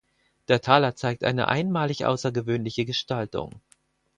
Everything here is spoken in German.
Der Taler zeigt eine einmalig außergewöhnliche Gestaltung.